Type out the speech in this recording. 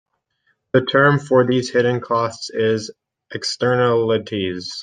The term for these hidden costs is "Externalities".